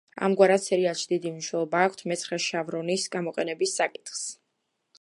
ამგვარად, სერიალში დიდი მნიშვნელობა აქვს მეცხრე შევრონის გამოყენების საკითხს.